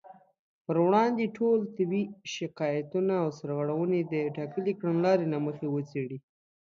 پر وړاندې ټول طبي شکايتونه او سرغړونې د ټاکلې کړنلارې له مخې وڅېړي